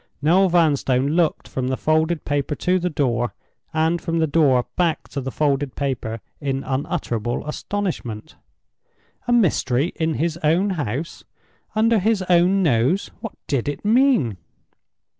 Noel Vanstone looked from the folded paper to the door, and from the door back to the folded paper, in unutterable astonishment. A mystery in his own house! under his own nose! What did it mean?